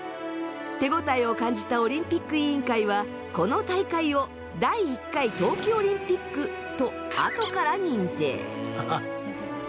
手応えを感じたオリンピック委員会はこの大会を第１回冬季オリンピックと後から認定！